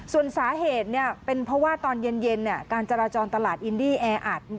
ส่วนสาเหตุเป็นเพราะว่าตอนเย็นการจราจรตลาดอินดี้แออัด